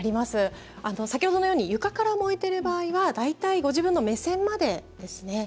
先ほどのように床から燃えている場合は大体、ご自分の目線までですね。